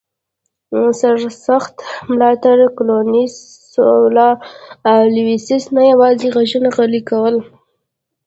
سرسخت ملاتړي کارنلیوس سولا لوسیوس نه یوازې غږونه غلي کړل